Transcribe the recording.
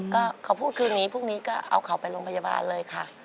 ก็เขาพูดคืนนี้พรุ่งนี้ก็เอาเขาไปโรงพยาบาลเลยค่ะ